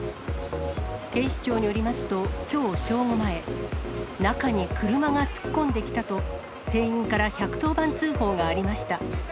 警視庁によりますと、きょう正午前、中に車が突っ込んできたと店員から１１０番通報がありました。